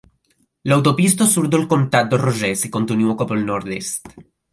L'autopista surt del comtat de Rogers i continua cap al nord-est.